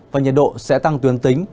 và nhiệt độ sẽ tăng tuyến tính